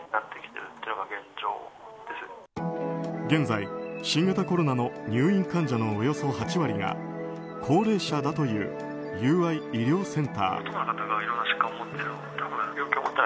現在、新型コロナの入院患者のおよそ８割が高齢者だという友愛医療センター。